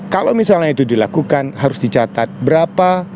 kalau misalnya itu dilakukan harus dicatat berapa